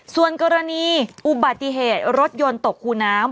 ส่วนกรณีอุบัติเหตุรถยนต์ตกคูน้ำ